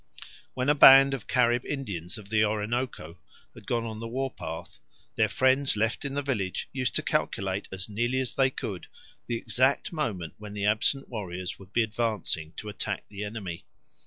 When a band of Carib Indians of the Orinoco had gone on the war path, their friends left in the village used to calculate as nearly as they could the exact moment when the absent warriors would be advancing to attack the enemy.